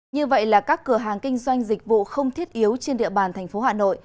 như vậy là các cửa hàng kinh doanh dịch vụ không thiết yếu trên địa bàn thành phố hà nội